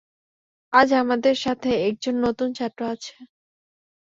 আজ আমাদের সাথে একজন নতুন ছাত্র আছে।